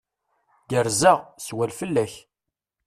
Gerrzeɣ. Swal fell-ak.